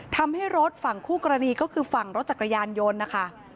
ทำให้รถฝั่งคู่กรณีก็คือฝั่งรถจักรยานยนต์นะคะ